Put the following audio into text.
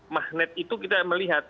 magnet itu kita melihat